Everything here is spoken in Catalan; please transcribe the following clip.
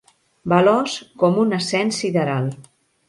Veloç com un ascens sideral.